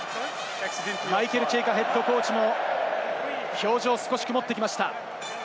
マイケル・チェイカＨＣも表情、少し曇ってきました。